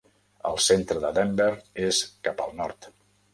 El centre de Denver és cap al nord.